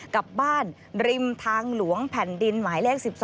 กับบ้านริมทางหลวงแผ่นดินหมายเลข๑๒